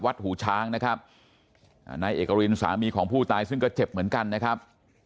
หูช้างนะครับนายเอกรินสามีของผู้ตายซึ่งก็เจ็บเหมือนกันนะครับ